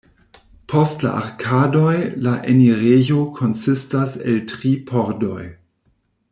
Post la arkadoj la enirejo konsistas el tri pordoj.